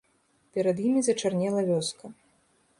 Перад імі зачарнела вёска.